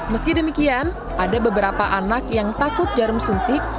meski demikian ada beberapa anak yang takut jarum suntik